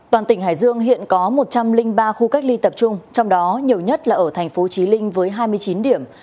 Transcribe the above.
toàn tỉnh hải dương hiện có một trăm linh ba khu cách ly tập trung trong đó nhiều nhất là ở tp chí linh với hai mươi chín điểm